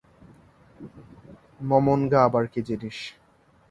মমোনগা আবার কী জিনিস?